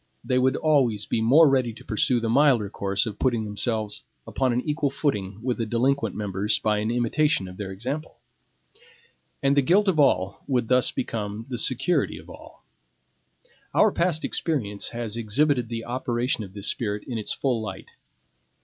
They would always be more ready to pursue the milder course of putting themselves upon an equal footing with the delinquent members by an imitation of their example. And the guilt of all would thus become the security of all. Our past experience has exhibited the operation of this spirit in its full light.